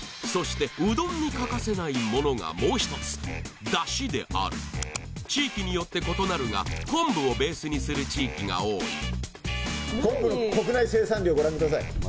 そしてうどんに欠かせないものがもう一つ出汁である地域によって異なるが昆布をベースにする地域が多い昆布の国内生産量ご覧ください。